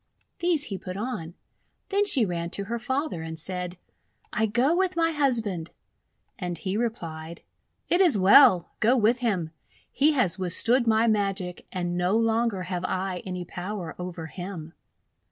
These he put on. Then she ran to her father, and said :— "I go with my husband." And he replied :— "It is well; go with him. He has withstood my magic, and no longer have I any power over him."